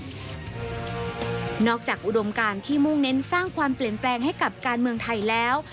นอกจากอุดมการที่มุ่งเน้นสร้างความเปลี่ยนแปลงให้กับการเมืองไทยแล้ว